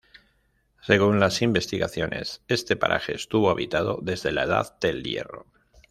Según las investigaciones, este paraje estuvo habitado desde la Edad del Hierro.